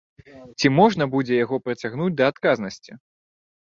Ці можна будзе яго прыцягнуць да адказнасці?